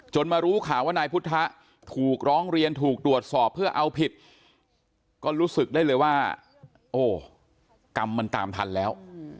จนมารู้ข่าวว่านายพุทธต่อเลียวโดยถูกสร้างเริงถูกตัวสอบเพื่อเอาผิดรู้สึกได้เลยว่ากำเนี่ยตามทันแล้ว